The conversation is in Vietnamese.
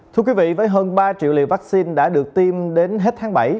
thưa quý vị với hơn ba triệu liều vaccine đã được tiêm đến hết tháng bảy